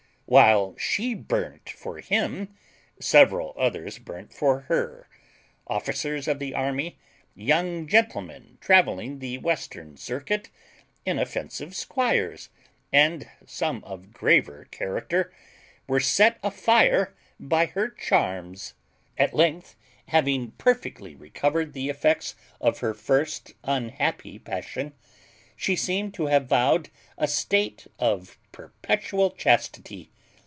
While she burnt for him, several others burnt for her. Officers of the army, young gentlemen travelling the western circuit, inoffensive squires, and some of graver character, were set a fire by her charms! At length, having perfectly recovered the effects of her first unhappy passion, she seemed to have vowed a state of perpetual chastity.